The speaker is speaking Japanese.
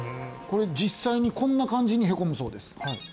これ実際にこんな感じにへこむそうです